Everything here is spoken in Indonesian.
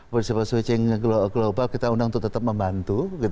bersifat switching global kita undang untuk tetap membantu